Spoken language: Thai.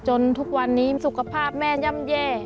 ทุกวันนี้สุขภาพแม่ย่ำแย่